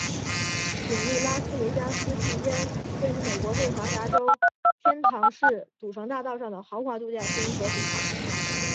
永利拉斯维加斯是一间位于美国内华达州天堂市赌城大道上的豪华度假村和赌场。